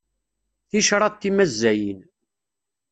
Ticraḍ timazzayin.